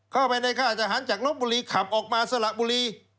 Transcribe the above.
เข้าไปในค่ายทหารจากลบบุรีขับออกมาสละบุรี